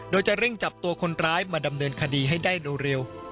โดยจะเร่งจับตัวคนร้ายมาดำเนินคดีให้ได้โดยเร็ว